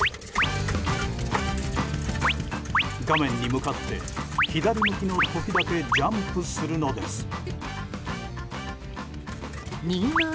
画面に向かって左向きの時だけジャンプするのです。